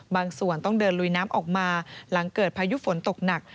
บางส่วนต้องเดินลุยน้ำออกมาหลังเกิดพายุฝนตกหนัก